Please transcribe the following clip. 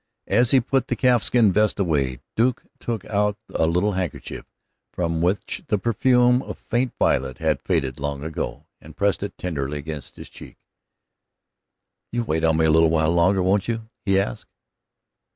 As he put the calfskin vest away, the Duke took out the little handkerchief, from which the perfume of faint violet had faded long ago, and pressed it tenderly against his cheek. "You'll wait on me a little while longer, won't you?" he asked.